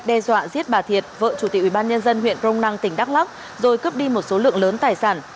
đe dọa giết bà thiệt vợ chủ tịch ubnd huyện crong năng tỉnh đắk lắc rồi cướp đi một số lượng lớn tài sản